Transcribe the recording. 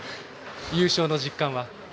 優勝の実感は？